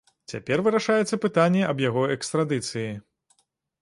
Цяпер вырашаецца пытанне аб яго экстрадыцыі.